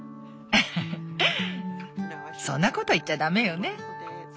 フフッそんなこと言っちゃ駄目よね。